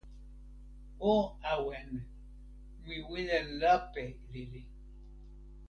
o awen. mi wile lape lili.